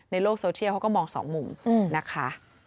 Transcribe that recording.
โลกโซเชียลเขาก็มองสองมุมนะคะ